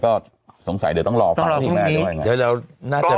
ก็สงสัยเดี๋ยวต้องรอฟังพี่แมนด้วยไง